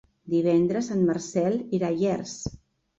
Divendres en Marcel irà a Llers.